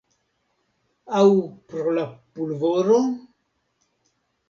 Aŭ pro la pulvoro?